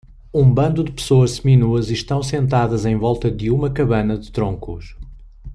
Um bando de pessoas seminuas estão sentadas em volta de uma cabana de troncos